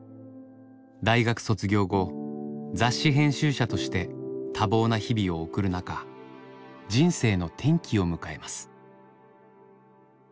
大学卒業後雑誌編集者として多忙な日々を送る中人生の転機を迎えます。